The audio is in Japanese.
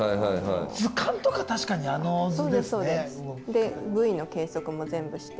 で部位の計測も全部して。